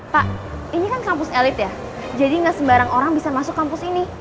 pak ini kan kampus elit ya jadi nggak sembarang orang bisa masuk kampus ini